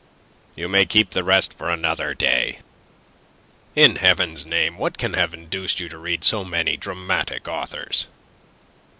"You may keep the rest for another day. In Heaven's name, what can have induced you to read so many dramatic authors?"